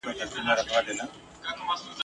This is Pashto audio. هغی کوشنیان زېږول